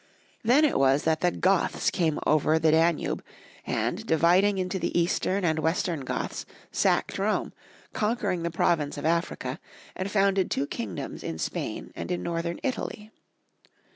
Then it was that the Goths came over the Dan ube, and, dividing into the Eastern and Western Goths, sacked Rome, conquered the province of Africa, and founded two kingdoms in Spain and in 38 Young Folks* History of Q ermany. Northern Italy.